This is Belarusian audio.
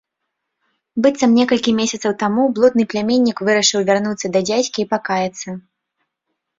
Быццам некалькі месяцаў таму блудны пляменнік вырашыў вярнуцца да дзядзькі і пакаяцца.